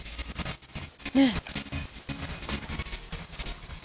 ねえ。